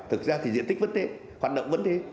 thực ra thì diện tích vẫn thế hoạt động vẫn thế